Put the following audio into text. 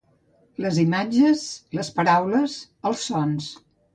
Les imatges, les paraules, els sons.